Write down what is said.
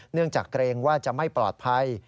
เนื่องจากเกรงว่าจะไม่ปลอดภัย